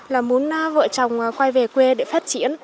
là muốn vợ chồng quay về quê để phát triển